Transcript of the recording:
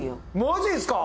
マジっすか？